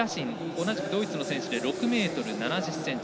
同じくドイツの選手で６ｍ７０ｃｍ。